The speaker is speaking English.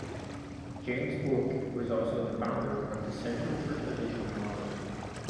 James Bourque was also the founder of The Centre for Traditional Knowledge.